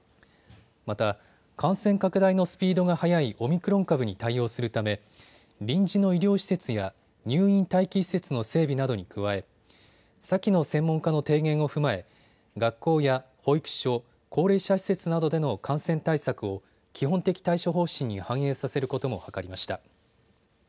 また、感染拡大のスピードが速いオミクロン株に対応するため臨時の医療施設や入院待機施設の整備などに加え先の専門家の提言を踏まえ学校や保育所、高齢者施設などでの感染対策を基本的対処方針に反映させることも諮りました。